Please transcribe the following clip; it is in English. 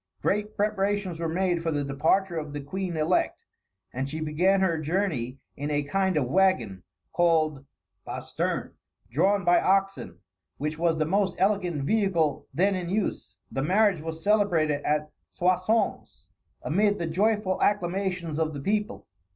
Great preparations were made for the departure of the queen elect, and she began her journey in a kind of wagon, called basterne, drawn by oxen, which was the most elegant vehicle then in use. The marriage was celebrated at Soissons, amid the joyful acclamations of the people.